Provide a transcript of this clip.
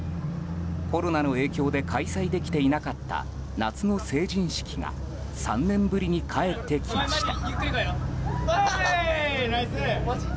コロナの影響で開催できていなかった夏の成人式が３年ぶりに帰ってきました。